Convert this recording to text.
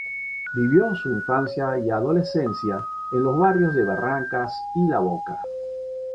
Vivió su infancia y adolescencia en los barrios de Barracas y La Boca.